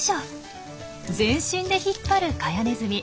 全身で引っ張るカヤネズミ。